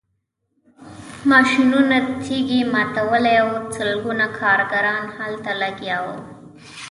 ماشینونو تیږې ماتولې او سلګونه کارګران هلته لګیا وو